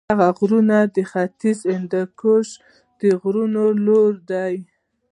دا غرونه د ختیځ هندوکش د غرونو لړۍ ده.